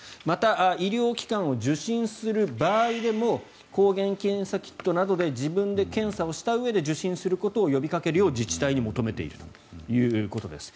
また、医療機関を受診する場合でも抗原検査キットなどで自分で検査をしたうえで受診することを呼びかけるよう自治体に求めていると。